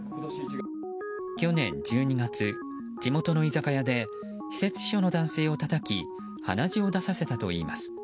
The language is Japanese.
去年１２月、地元の居酒屋で私設秘書の男性をたたき鼻血を出させたといいます。